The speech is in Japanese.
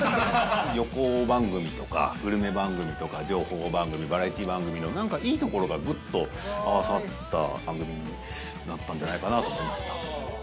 旅行番組とかグルメ番組とか情報番組バラエティー番組のいいところがぐっと合わさった番組になったんじゃないかなと思いました。